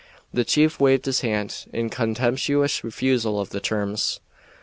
The chief waved his hand in contemptuous refusal of the terms.